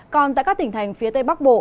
còn tại các tỉnh thành phía tây bắc bộ